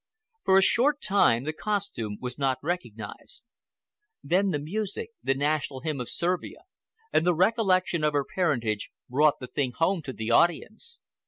For a short time the costume was not recognized. Then the music—the national hymn of Servia, and the recollection of her parentage, brought the thing home to the audience.